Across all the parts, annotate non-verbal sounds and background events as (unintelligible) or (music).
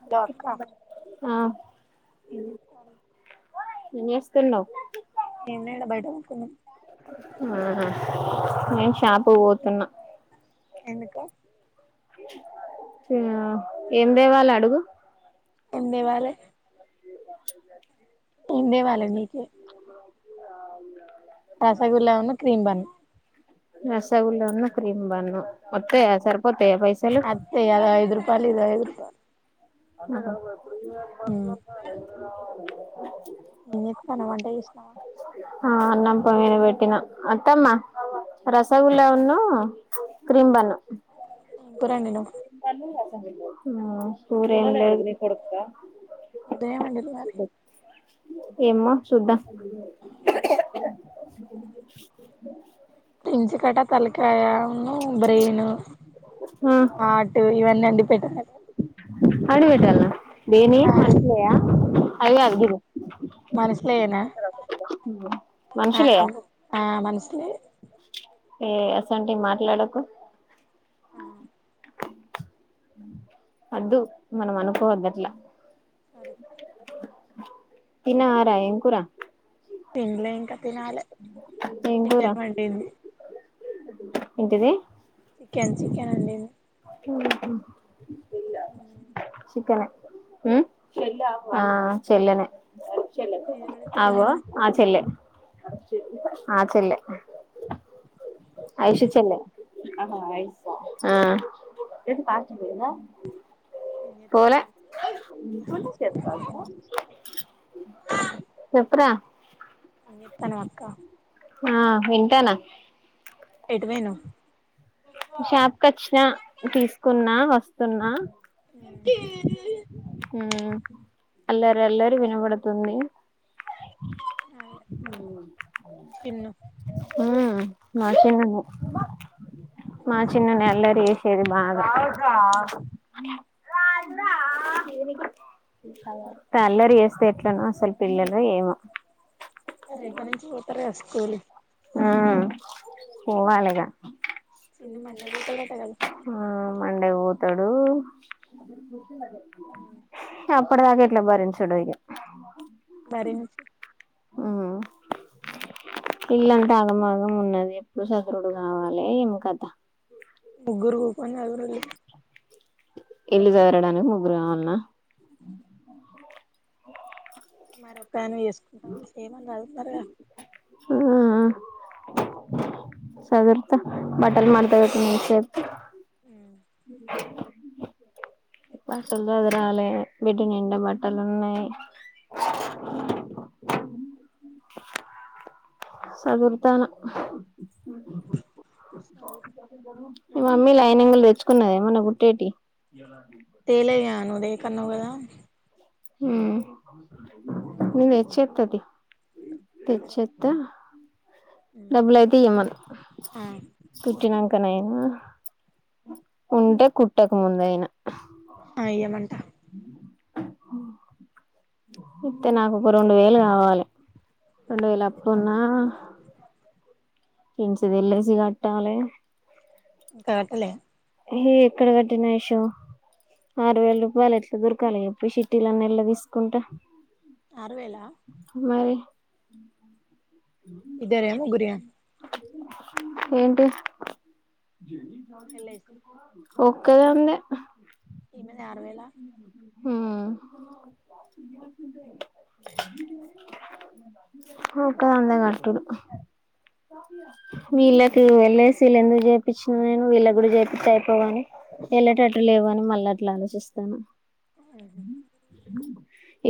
Hello అక్క ఆ ఏం చేస్తా ఏం చేస్తునవ్ ఏం లే ఇడ బయట కుకున్నాం ఆహా నేను షాపు పోతున్నా ఎందుకు తే ఏం దేవాలా అడుగు ఏం దేవాలే ఏం తేవాలే నీకే రసగుల్లాను క్రీమ్ బన్ రసగుల్లాను క్రీమ్ బన్ను వత్తాయా సరిపోతాయా పైసలు హె అది ఐదు రూపాయలు ఇది ఐదు రూపా అహ నేను చేతన్నావ్ వంట చేసినవా ఆ అన్నం పొయ్యి మీద పెట్టినా అత్తమ్మా రసగుల్లాను క్రీమ్ బన్ ఏం కూర వండినావ్ ఆ కూర ఏం లేదు ఉదయం వండిళ్ళు మరి ఎమ్మా చూద్దా తెంచు కట తలకాయను బ్రెయిన్ ఆ హార్ట్ ఇవన్నీ వండి పెట్టన అండిపెట్టాలా నేనేం ఆ అంట్లాయా అవే అగ్గి మనసులేయేనా వి ఆ మనుషులేయా ఆ మనసులే ఏ అసంటివి మాట్లాడకు ఆ అద్దు మనం అనుకోవద్దు అట్లా కరెక్టే తిన్నావా రా ఏం కూరా తిన్లే ఇంకా తినాలి ఏం కూర చికెన్ వండింది ఏంటిది చికెన్ చికెన్ వండిం ఓహో చికెనే హ్మ్ అ చెల్లనే మీది కూడా అవు చికెనేనా ఆ చెల్లె ఆ చెల్లె ఐషు చెల్లె ఆ ఏం పోలే చేత్తాల్లు చె చెప్పురా ఎం చేట్టానావ్ అక్క ఆ వింటానా అటువెనావ్ షాప్ కచ్చినా తీసుకున్నా వస్తున్నా అదే హ అల్లరల్లారి వినపడుతుంది చిన్ను ఆ మా చిన్నునే మా చిన్ననే అల్లరి వేసేది బాగా ఆల్లరు చేస్తే ఎట్లను ఏమో అసలు పిల్లలు ఏమ రేపటి నుంచి పోతారు కదా స్కూల్ కి ఆ పోవాలిగా చిన్ను మండే పోతాడట కదా ఆ మండే పోతాడు. అపటిదాక ఎట్ల భరించుడో ఇగ బరించు ఆ ఇల్లంతా ఆగమాగం ఉన్నది. ఎప్పుడు సర్దుడు కావాలి ఏం కథ ముగ్గురు కుకొని సదురిల్లిగా ఇల్లు సర్దడానికి ముగ్గురు కావల్నా మరిొ ఒకదానివే చేసుకుంటావ చేయమనురదు ఉన్నారుగా ఆ సదుర్త బట్టలు మత నం సేత (unintelligible) ఆ బట్టలు చదిరాలి. బెడ్ నిండా బట్టలు ఉన్నాయి. అవును సదుర్థాన సదురు మీ మమ్మీ లైనింగులు తెచ్చుకున్నద ఏమన్నా గుట్టేటి హమ్ తేలే ఇగ నువ్వు దేక అన్నావ్ కదా హ నేను తేచ్చ ఎత్తదియి. తెచ్చ సరే ఎత్త డబ్బులు అయితే ఇయ్యమను. కుట్టినాక నయినా ఉంటే కుట్టక ముందయినా ఆ ఇయ్యమంట ఇత్తే నాకు ఒక రెండువేలు కావాలి. రెండు వేలు అప్పుఉన్న అ పెంచి (unintelligible) ఎల్ ఐ సి కట్టాలె. ఇంకా కట్టలే ఎ హే ఎక్కడ కట్టినా ఈషో ఆరు వేల రూపాయలు ఎట్లా దొరకాలి ఎప్పుడు షీట్టీలన్నీ ఎళ్లా తీసుకుంటే ఆరువెలా మరి అ ఇద్దరీయా ఆ ముగ్గురియా ఏంటి ఎల్ఐసి ఒక్కదాందే ఉమ్ అ ఓకదాందే కట్టుడు వీళ్లకు ఎల్ఐసి లేందుకు చేర్పించిన నేను వీళ్ళ కూడా జరిపితే అయిపోవు గాని ఎల్లటట్లు లేవు అని మళ్ళీ అట్లా ఆలోచిస్తాన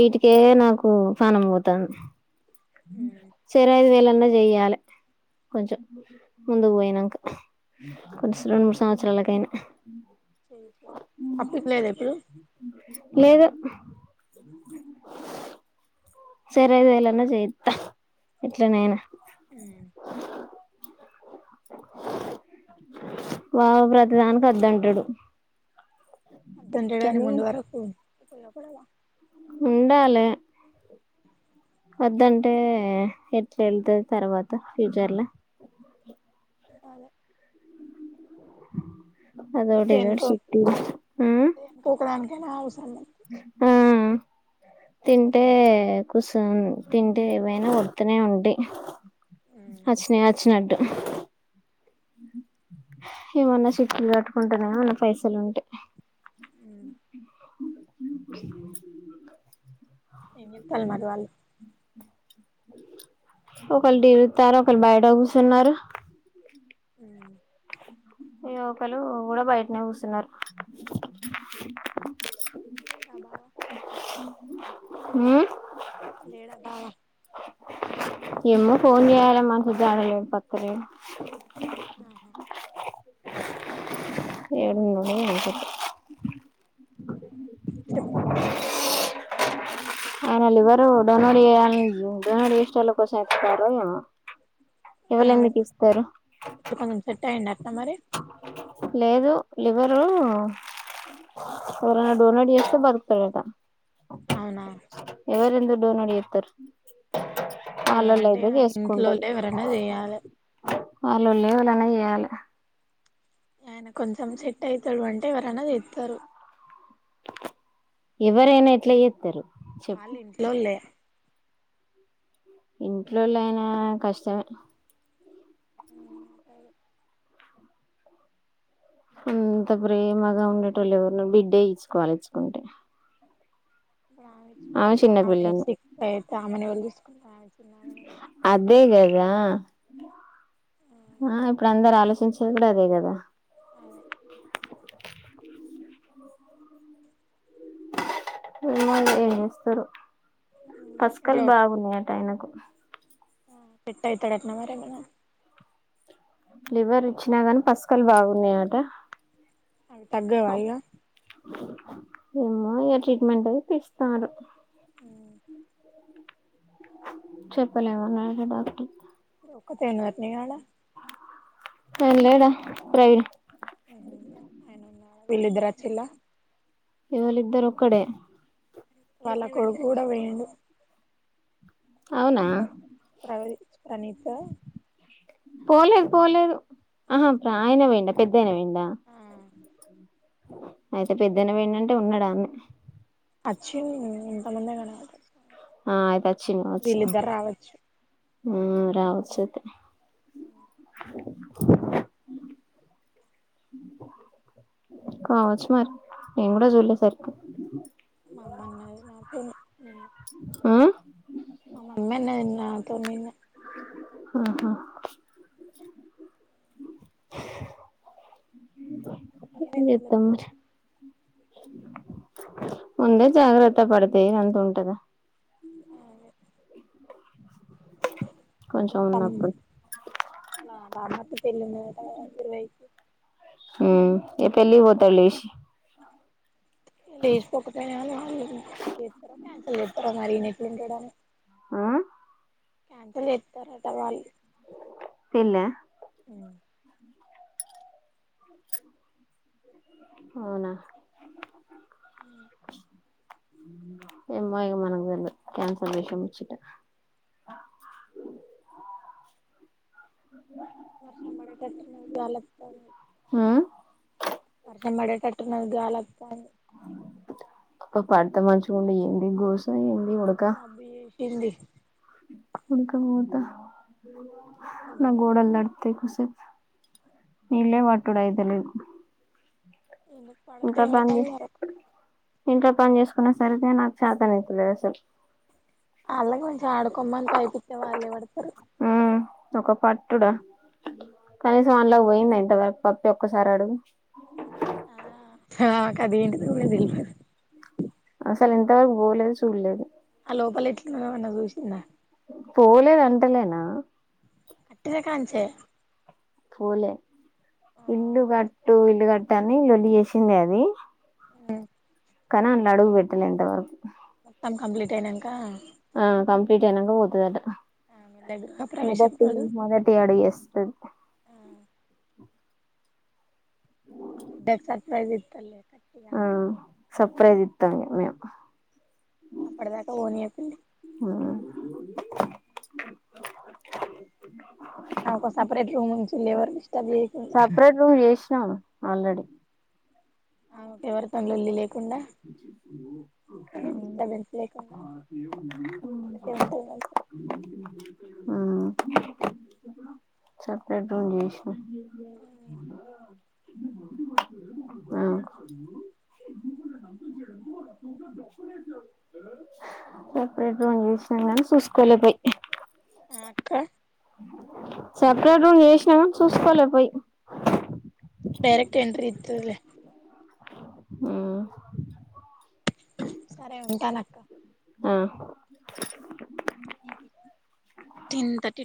ఈటికే నాకు పాణం పోతాంది చిరి ఐదువేలన్నా చెయ్యాలి కొంచెం ముందుకు పోయినాక కొంచెం రెండు మూడు సంవత్సరాలకయినా అప్పికలేదా ఇప్పుడు లేదు సరే ఐదువేలన్నా చేయిద్దా ఎట్లనేనా ఉ బావ ప్రతిదానికి వద్దంటడు అట్టంటాడని కానీ ముందు వరకు వరకుక్కడ ఉండాలే హమ్ వద్దంటే ఎట్లా ఎళ్తది తర్వాత ఫ్యూచర్ లో అదే అదొకటి ఇదొకటి దేనికో చిట్టీలు ఉ దేనికో ఒకదానికైనా అవసరమే ఆ తింటే కూసోన్ తింటే ఏవైనా ఓడ్తనే ఉంటాయి అచినయ్ అచ్చినట్టు ఏమన్నా చిట్టీలు కట్టుకుంటున్నే ఏమన్నా పైసలు ఉంటేయి ఆ హమ్ ఏం చేత్తాలు మరి వాళ్ళు ఒకరు టీవీ చూస్తారు ఒకరు బయట కూర్చున్నారు అ ఇక ఒకరు బయటనే కూర్చున్నారు వచ్చిండా బావ ఉ లేడ బావా ఏమ్మో ఫోన్చేయాల మనిషి జాడలేడు పత్తలేడు ఆహా ఏడున్నాడో ఏం కథో చెప్పు ఇంకా ఆయన లివరు డొనేట్ డొనేట్ చేసే వాళ్ల గురించి వెతుకుతారు ఆ ఎవళెందుకు ఇప్పుడు ఇస్తారు ఇప్పుడు కొంచెం సెట్టయిండ అక్క మరి లేదు లివరు ఎవరన్న డోనేట్ చేస్తే బర్తాడట అవునా ఎవరెందుకు డోనెట్ చెత్తరు వాళ్ళొల్లు ఎవరంటే అయితే చేసుకుంటది ఇంట్లోలే ఎవరైనా చేయాలి అల్లోళ్ళే ఎవలన్న చేయలే ఆయన కొంచెం సెట్ అవుతాడు అంటే ఎవరైనా చెత్తరు ఎవరైనా ఎట్లా చేస్తారు చెప్పు వాళ్ళు ఇంట్లోళ్ళే ఇంట్లోలయినా కష్టమే అంత ప్రేమగా ఉండేటోళ్ళు ఎవరినో బిడ్డే ఇచ్చుకోవలే ఇచ్చుకుంటే ఇప్పుడు ఆమె ఇచ్చుకుంటే చిన్న ఆమె పిల్లని సిక్ అయితే ఆమెను ఎవలు చుసుకుంట్ ఆమె చిన్న అదే కదా ఆ ఇప్పుడు అందరు ఆలోచించేది కూడా అదే కదా అదే ఏమో ఏం చేస్తరో పస్కాలు ఇప్పుడు బాగున్నాయట ఆయనకు ఆ సెట్ అయితాడట్నా మరి ఏమన్నా లివర్ ఇచ్చినా గాని పసుకాలు బాగున్నాయట అవి తగ్గవ ఇగ ఏమ్మో ఇగ ట్రీట్మెంట్ అవి ఇస్తరు మ్ చెప్పలేమన్నడట డాక్టర్ ఒక్కతె ఉన్నదాట్నా ఇగ ఆయన లేడా ప్ర (unintelligible) వీళ్ళిద్దరోచ్చిళ్ళ ఎవలిద్దారు ఒక్కడే వాళ్ళ కొడుకు కూడా పోఇండు అవునా (unintelligible) ప్ర ప్రనితో పోలేదు పోలేదు ఆహా ఆయన పోఇండ పెద్దయన పోఇండ అయితే పెద్దైనే పొఇండంటే ఉన్నాడు ఆన్నే అచ్చిన్ ఇంతముందే కనవడ్ ఆ అయితే వచ్చిండు కావచ్చు రావచ్చు మ్ రావచ్చు అయితే కావచ్చు మరి నేను కూడా చూలేసరిగ మా అమ్మ అన్నది నాతోని చెప్ (unintelligible) ఆ మ అమ్మి అన్నది నాతోని నిన్న ఆహా ఏం ఏమైంది చేతం వీళ్ళతోని మరి ముందే జాగ్రత్త పడితె ఇదంతా ఉంటద వాళ్ళ కొంచెం తం ఉన్నప్పుడు వాళ్ళ బామ్మర్ది పెళ్ళి ఉన్నదాట కదా ఇరవైకి మ్ ఇగ పెళ్ళికి పోతాడు లేశి లేచి పోకపోయినా కాని క్యాన్సిల్ చేత్తరో మరి ఈయన ఎట్లుంటడని ఆ క్యాన్సల్ చేత్తరట వాళ్ళు పెళ్ల ఉ అవునా ఏమో ఇగ మనకు తెలీదు క్యాన్సర్ విషయం ఇచ్చట వర్షం పడేటట్టు ఉన్నది గాలి వత్తంది ఆ వర్షం పడేటట్టు ఉన్నది గాలి వత్తంది అ పడితే మంచిగుండు ఏంది గోస ఏంది ఉడక ది (unintelligible) ఉడక బోత నా పొద్దుదాక గోడల్ దడుప్ తే కోసేపు నీళ్ళే పట్టుడు అయితలేదు నేను ఇంకా పనిచేయ్ ఇంకా పని చేసుకున్న సరికి నాకు చేత అయితలేదు అసలు అళ్లా కొంచెం ఆడుకోమ్మని అంటే పైపు ఇత్తే వాళ్ళే పేడతారు ఆ ఒక పట్టుడా కనీసం అనలో పోయింది ఇంతవరకు పప్పి ఒక్కసారి అడుగు ఆ (unintelligible) అసలు ఇంతవరకు పోలేదు చూడలేదు ఆ లోపల ఎట్లున్నాదొ మోన్నా చూసిందా పోలేదు అంటలేనా వట్టిదా కాంచే పోలే ఇల్లు కట్టు ఇల్లు కడుతంది లొల్లి చేసింది అది అ కానీ అళ్ళు అడుగు పెట్టాలే ఎంతవరకు మొత్తాం కంప్లీట్ అయినంక ఆ కంప్లీట్ అయనంక పోతది ఆట ఆమె దగ్గర ప్రవేశం మొదటి రోజు మొదటి ఆడుగు వేస్తది ఓ డ్రెస్ సర్ప్రైజ్ ఇత్తది లే అక్క ఆ సర్ప్రైజ్ ఇత్తం మేము అప్పటిదాకా పోనీయ కుండి ఆ నాకు సపేరేట్ రుమ్ (unintelligible) సపరేట్ రూమ్ చేసినాం ఆల్రెడీ ఆమెతో ఎవ్వరితో లోల్లి లేకుండా ఏ డిస్టబెన్స్ లేకుడా ఒకతే ఉంటే మంచిది ఆ సపరేట్ రూమ్ చేసినం ఆ తూ దని సపరేట్ రూమ్ చేసినాం కానీ చూసుకోలే పోయి అక్క సపరేట్ రూమ్ చేసినాము కాని చూసుకోలే పోయి డైరెక్ట్ ఎంట్రీ ఇత్తది లే ఉ సరే ఉంటాను అక్క ఆ టెన్ థర్టీ